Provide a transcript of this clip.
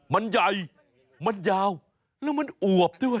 มันใหญ่มันยาวแล้วมันอวบด้วย